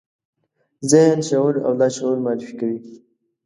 ذهن، شعور او لاشعور معرفي کوي.